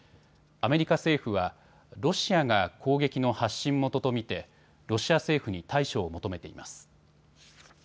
アメリカ政府はロシアが攻撃の発信元と見てロシア政府に対処を求めています。